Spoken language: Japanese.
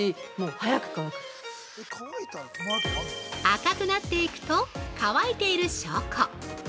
◆赤くなっていくと乾いている証拠。